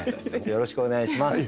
よろしくお願いします。